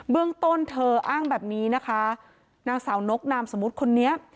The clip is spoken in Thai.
เรื่องต้นเธออ้างแบบนี้นะคะนางสาวนกนามสมมุติคนนี้